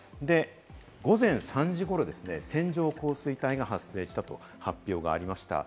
午前３時ごろ線状降水帯が発生したと発表がありました。